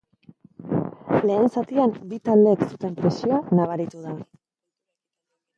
Lehen zatian bi taldeek zuten presioa nabaritu da.